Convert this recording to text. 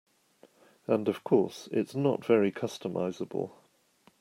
And of course, it's not very customizable.